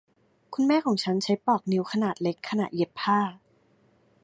คุณแม่ของฉันใช้ปลอกนิ้วขนาดเล็กขณะเย็บผ้า